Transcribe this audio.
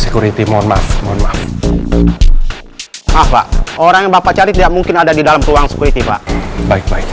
security mohon maaf mohon maaf pak orang yang bapak cari tidak mungkin ada di dalam ruang security pak baik baik